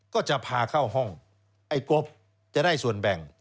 ก็จะพาเข้าห้องไอ้กบจะได้ส่วนแบ่ง